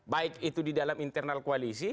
baik itu di dalam internal koalisi